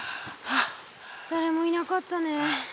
だれもいなかったね。